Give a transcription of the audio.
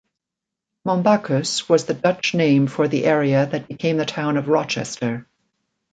Mombaccus was the Dutch name for the area that became the Town of Rochester.